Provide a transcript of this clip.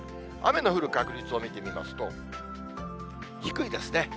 雨の降る確率を見てみますと、低いですね。